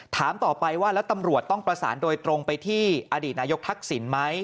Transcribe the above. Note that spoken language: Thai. ถามต่อไปว่าแล้วตำรวจต้องประสานโดยตรงไปที่อดีตนายกทักษิณไหม